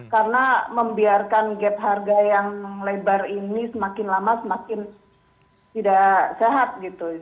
karena membiarkan gap harga yang lebar ini semakin lama semakin tidak sehat gitu